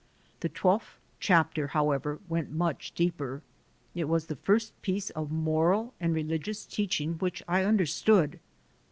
The twelfth chapter, hoAvever, went much deeper. It was the first piece of moral and religious teaching which I understood.